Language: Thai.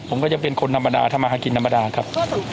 ผู้ชะบนเห็นแนวไขการประกันตัวแล้วไหมครับ